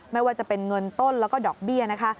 ไม่ว่าจะเป็นเงินต้นแล้วก็ดอกเบี้ยนะคะ